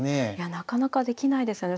なかなかできないですね